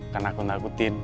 kan aku nangkutin